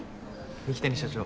二木谷社長